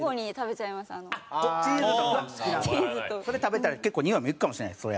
それ食べたら結構においも行くかもしれないです。